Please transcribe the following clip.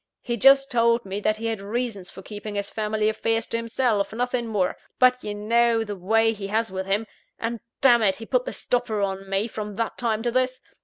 He just told me that he had reasons for keeping his family affairs to himself nothing more but you know the way he has with him; and, damn it, he put the stopper on me, from that time to this.